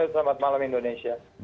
selamat malam indonesia